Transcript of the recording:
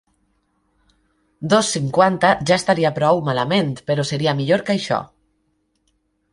Dos cinquanta ja estaria prou malament, però seria millor que això.